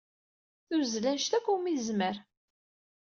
Tuzzel anect akk umi tezmer.